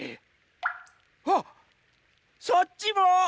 あっそっちも！？